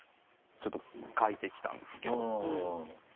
ちょっと書いてきたんですけど。